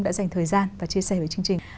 đã dành thời gian và chia sẻ với chương trình